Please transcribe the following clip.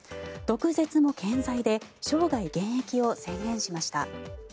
毒舌も健在で生涯現役を宣言しました。